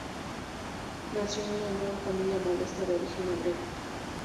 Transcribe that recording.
Nació en una familia modesta de origen obrero.